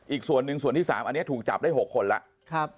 อีกส่วนหนึ่งส่วนที่๓อันนี้ถูกจับได้๖คนแล้ว